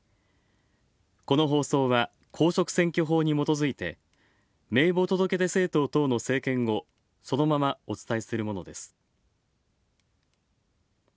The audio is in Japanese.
この放送は公職選挙法にもとづいて名簿届出政党等の政見をそのままお伝えするものです。